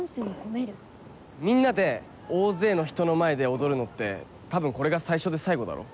みんなで大勢の人の前で踊るのって多分これが最初で最後だろ？